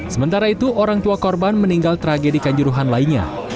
sementara itu orang tua korban meninggal tragedi kanjuruhan lainnya